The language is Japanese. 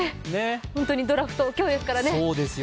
本当にドラフト、今日ですからね。